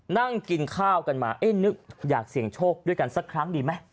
นั่งกินข้าวกันมาเอ๊ะนึกอยากเสี่ยงโชคด้วยกันสักครั้งดีไหม